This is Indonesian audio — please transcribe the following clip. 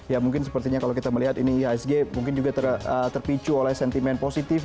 ya mungkin sepertinya kalau kita melihat ini ihsg mungkin juga terpicu oleh sentimen positif